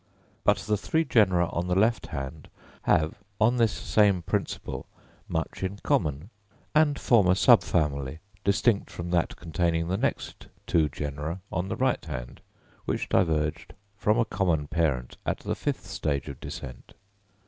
But the three genera on the left hand have, on this same principle, much in common, and form a subfamily, distinct from that containing the next two genera on the right hand, which diverged from a common parent at the fifth stage of descent.